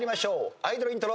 アイドルイントロ。